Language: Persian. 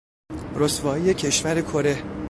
رسوایی کشور کره